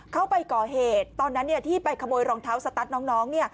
เข้าไปก่อเหตุตอนนั้นที่ไปขโมยรองเท้าสตั๊ดน้อง